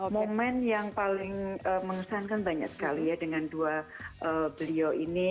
momen yang paling mengesankan banyak sekali ya dengan dua beliau ini